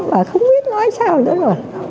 bà không biết nói sao nữa rồi